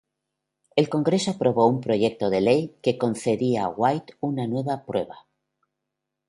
El Congreso aprobó un proyecto de ley que concedía a White una nueva prueba.